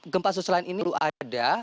gempa susulan ini ada